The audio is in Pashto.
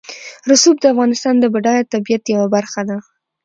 رسوب د افغانستان د بډایه طبیعت یوه برخه ده.